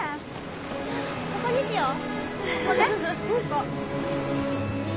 ここにしよう。